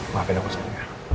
maafin aku sendiri ya